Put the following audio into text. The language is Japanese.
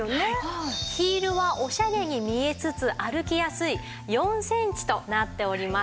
ヒールはオシャレに見えつつ歩きやすい４センチとなっております。